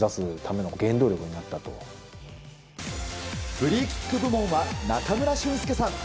フリーキック部門は中村俊輔さん。